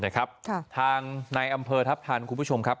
นะครับค่ะทางในอำเภอทัพทานคุณผู้ชมครับ